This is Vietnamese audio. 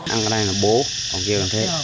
ăn cái này là bố còn kia là thế